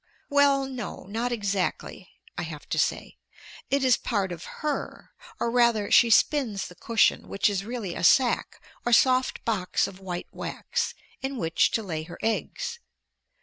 "Well, no, not exactly," I have to say. "It is part of her, or rather she spins the cushion, which is really a sac or soft box of white wax, in which to lay her eggs.